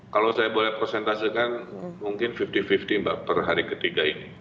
kalau saya boleh presentasikan mungkin lima puluh lima puluh mbak per hari ketiga ini